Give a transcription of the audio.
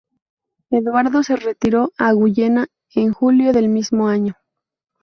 Eduardo se retiró a Guyena en julio del mismo año.